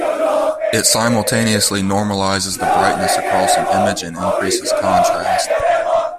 It simultaneously normalizes the brightness across an image and increases contrast.